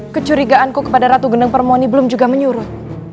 kecurigaanku kepada ratu gendeng permoni belum juga menyurut